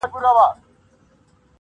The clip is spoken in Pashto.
• نن دي سترګي سمي دمي ميکدې دی,